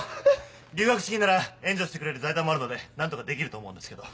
留学資金なら援助してくれる財団もあるので何とかできると思うんですけど。